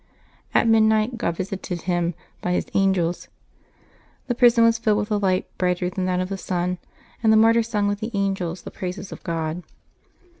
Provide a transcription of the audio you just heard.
At midnight, God visited him by His angels; the prison was filled with a light brighter than that of the sun, and the martyr sung with the angels the praises of God.